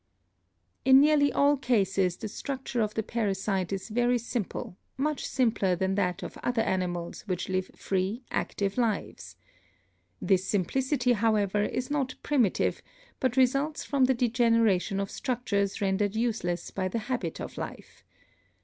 In nearly all cases the structure of the parasite is very simple, much simpler than that of other animals which live free, active lives. This simplicity, however, is not primitive, but results from the degeneration of structures rendered useless by the habit of life.